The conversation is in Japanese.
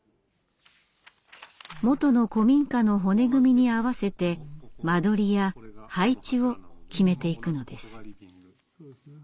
もとの古民家の骨組みに合わせて間取りや配置を決めていくのです。